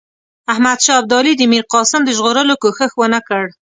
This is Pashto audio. احمدشاه ابدالي د میرقاسم د ژغورلو کوښښ ونه کړ.